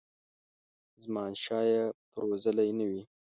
زمانشاه یې پرزولی نه وي.